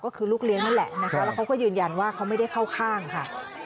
ก็คือลูกเลี้ยงนั่นแหละนะคะแล้วเขาก็ยืนยันว่าเขาไม่ได้เข้าข้างค่ะ